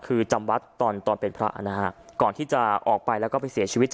คือจำวัดตอนตอนเป็นพระนะฮะก่อนที่จะออกไปแล้วก็ไปเสียชีวิต